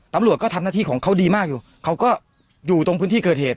ตำรวจก็ทำหน้าที่ของเขาดีมากอยู่เขาก็อยู่ตรงพื้นที่เกิดเหตุ